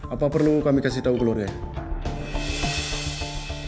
apa perlu kami kasih tau keluarganya